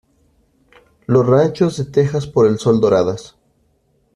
Los ranchos de tejas por el sol doradas.